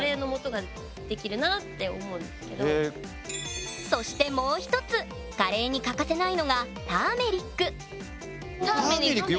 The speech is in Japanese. それがそしてもう一つカレーに欠かせないのがターメリックよく聞く。